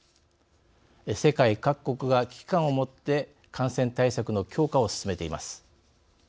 世界各国が危機感を持って感染対策の強化を進めています。